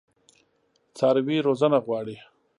څاروي روزنه غواړي.